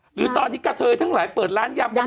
หรือตอนนี้กระเทยทั้งหลายเปิดร้านยำ